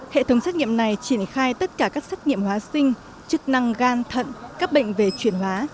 hệ thống xét nghiệm này triển khai tất cả các xét nghiệm hóa sinh chức năng gan thận các bệnh về chuyển hóa